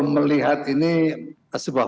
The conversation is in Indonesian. melihat ini sebuah